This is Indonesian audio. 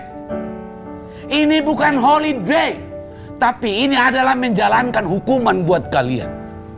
ini bukan holid break tapi ini adalah menjalankan hukuman buat kalian